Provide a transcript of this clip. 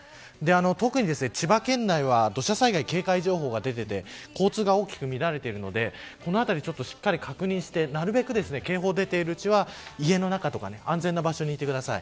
特に千葉県内は土砂災害警戒情報が出ていて交通が大きく乱れているのでこのあたりしっかり確認してなるべく警報が出ている地域は家の中とか安全な場所にいてください。